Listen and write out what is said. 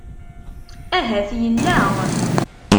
Ahat yella.